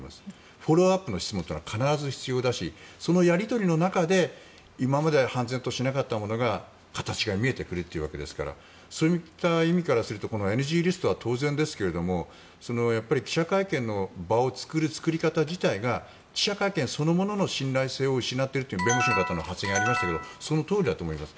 フォローアップの質問というのは必ず必要だしそのやり取りの中で今まで判然としなかったものが形が見えてくるというわけですからそういった意味からするとこのＮＧリストは当然ですが記者会見の場を作る作り方自体が記者会見そのものの信頼性を失っているという弁護士の方の発言がありましたがそのとおりだと思います。